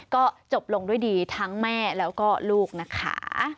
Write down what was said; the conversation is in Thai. ก็จบลงด้วยดีทั้งแม่แล้วก็ลูกนะคะ